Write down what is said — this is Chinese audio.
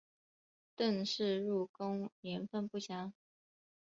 郑氏入宫年份不详。